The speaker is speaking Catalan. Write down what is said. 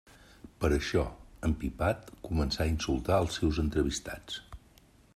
Per això, empipat, comença a insultar els seus entrevistats.